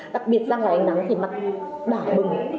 đặc biệt ra là ánh nắng thì mặt đỏ bừng